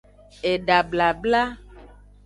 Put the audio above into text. Eda blabla.